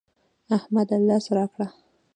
احمده! لاس راکړه.